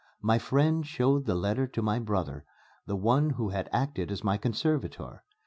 My friend showed the letter to my brother the one who had acted as my conservator.